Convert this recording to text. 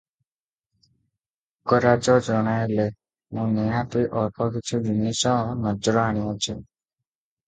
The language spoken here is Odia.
ମଙ୍ଗରାଜ ଜଣାଇଲେ, "ମୁଁ ନିହାତି ଅଳ୍ପ କିଛି ଜିନିଷ ନଜର ଆଣିଅଛି ।"